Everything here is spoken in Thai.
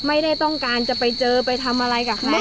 ไม่ได้ต้องการจะไปเจอไปทำอะไรกับใคร